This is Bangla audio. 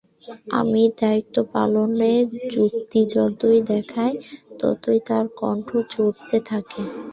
আমি দায়িত্ব পালনের যুক্তি যতই দেখাই, ততই তাঁর কণ্ঠ চড়তে থাকে।